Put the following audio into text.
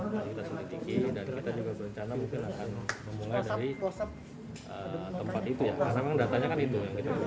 kita juga berencana mungkin akan memulai dari tempat itu